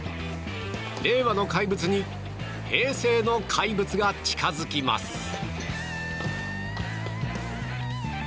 令和の怪物に平成の怪物が近づきます。